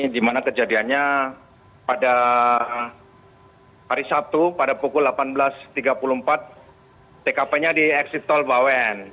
di mana kejadiannya pada hari sabtu pada pukul delapan belas tiga puluh empat tkp nya di eksit tol bawen